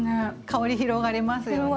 香り広がりますよね。